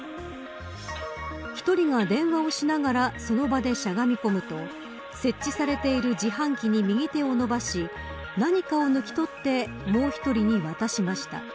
１人が電話をしながらその場でしゃがみ込むと設置されている自販機に右手を伸ばし何かを抜き取ってもう１人に渡しました。